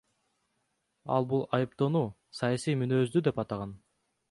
Ал бул айыптоону саясий мүнөздүү деп атаган.